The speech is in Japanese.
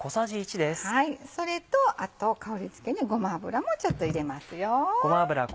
それとあと香りづけにごま油もちょっと入れますよ。